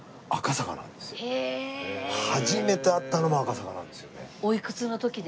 初めて会ったのも赤坂なんですよね。